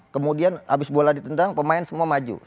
kemudian abis bola ditendang pemain semua maju